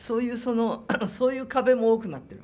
そういう壁も多くなってる。